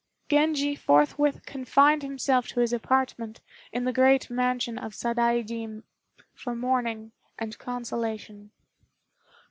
Genji forthwith confined himself to his apartment in the grand mansion of Sadaijin, for mourning and consolation.